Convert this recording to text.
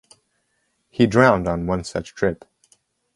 He drowned on one such trip.